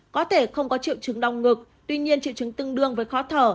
có thể không có triệu chứng đau ngực tuy nhiên triệu chứng tương đương với khó thở